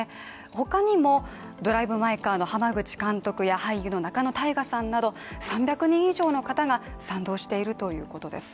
他にも、「ドライブ・マイ・カー」の濱口監督や俳優の仲野太賀さんなど、３００人以上の方が賛同しているということです。